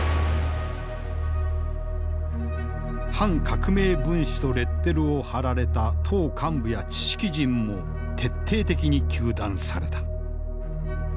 反革命分子とレッテルを貼られた党幹部や知識人も徹底的に糾弾された。